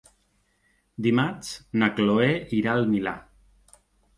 Dimarts na Chloé irà al Milà.